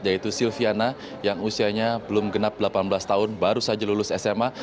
yaitu silviana yang usianya belum genap delapan belas tahun baru saja lulus sma